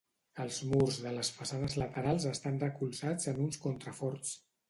Els murs de les façanes laterals estan recolzats en uns contraforts.